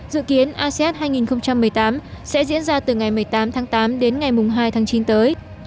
dự kiến asean hai nghìn một mươi tám sẽ diễn ra từ ngày một mươi tám tháng tám đến ngày hai tháng chín tới